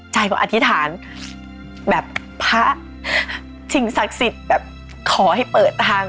อธิษฐานแบบพระสิ่งศักดิ์สิทธิ์แบบขอให้เปิดทาง